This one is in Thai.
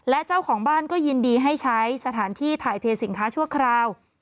และเจ้าของบ้านก็ยินดีให้ใช้สถานที่ถ่ายเทสินค้าชั่วคราว